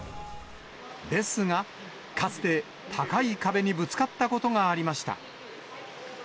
ですが、かつて高い壁にぶつかったことがありました。